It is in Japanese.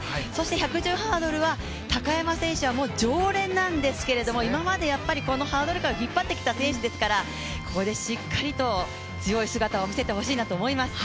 １１０ｍハードルは高山選手は常連なんですが今までこのハードル界を引っ張ってきた選手ですからここでしっかりと強い姿を見せてほしいなと思います。